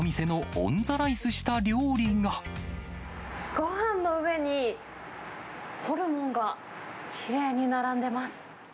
ごはんの上に、ホルモンがきれいに並んでます。